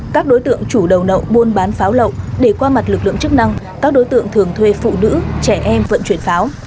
các đối tượng chủ đầu nậu buôn bán pháo lậu để qua mặt lực lượng chức năng các đối tượng thường thuê phụ nữ trẻ em vận chuyển pháo